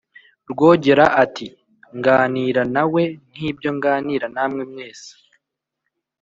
rwogera ati:»» nganira na we nk'ibyo nganira na mwe mwese»